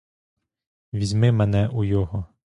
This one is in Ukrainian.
Візьми мене у його.